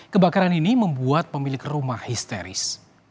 kebakaran ini membuat pemilik rumah histeris